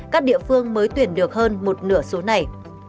các địa phương mới tuyển được hơn một nửa số này